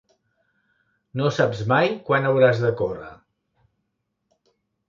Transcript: No saps mai quan hauràs de córrer.